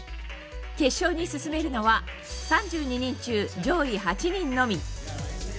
決勝に進めるのは３２人中、上位８人のみ。